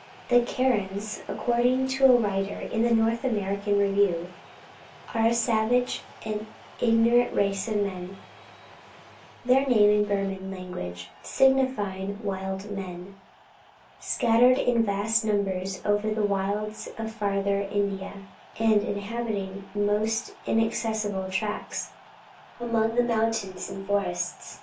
The Karens, according to a writer in the North American Review, are a savage and ignorant race of men, (their name in the Burman language signifying wild men,) scattered in vast numbers over the wilds of Farther India, and inhabiting almost inaccessible tracts, among the mountains and forests.